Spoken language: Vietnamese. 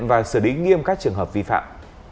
và xử lý nghiêm các trường hợp vi phạm